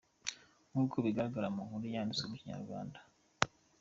Nk’uko bigaragara mu nkuru yanditswe ku inyarwanda.